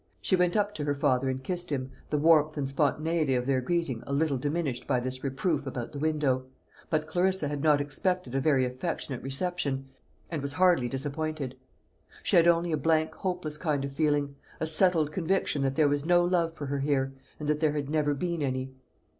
She went up to her father and kissed him, the warmth and spontaneity of their greeting a little diminished by this reproof about the window; but Clarissa had not expected a very affectionate reception, and was hardly disappointed. She had only a blank hopeless kind of feeling; a settled conviction that there was no love for her here, and that there had never been any.